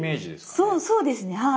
そうそうですねはい。